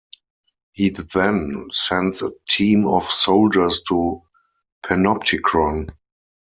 He then sends a team of soldiers to Panoptichron.